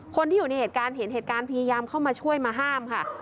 คนที่อยู่ในเหตุการณ์เห็นเหตุการณ์พยายามเข้ามาช่วยมาห้ามค่ะ